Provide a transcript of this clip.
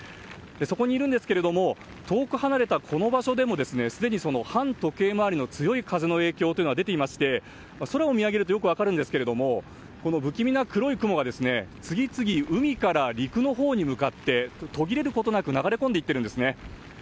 そこにいるんですが遠く離れたこの場所でもすでに反時計回りの強い風の影響が出ていまして、空を見上げるとよく分かるんですが不気味な黒い雲が次々、海から陸に向かって途切れることなく流れ込んでいっているんですね。